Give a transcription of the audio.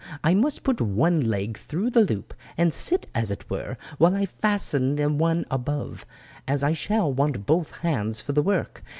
I must put one leg through the loop, and sit, as it were, while I fasten the one above, as I shall want both hands for the work.